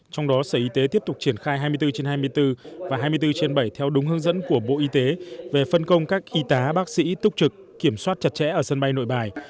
trong đó sở y tế tiếp tục triển khai hai mươi bốn trên hai mươi bốn và hai mươi bốn trên bảy theo đúng hướng dẫn của bộ y tế về phân công các y tá bác sĩ túc trực kiểm soát chặt chẽ ở sân bay nội bài